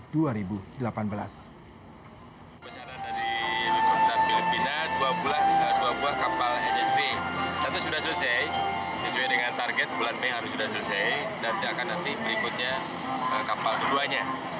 dan dia akan nanti berikutnya kapal keduanya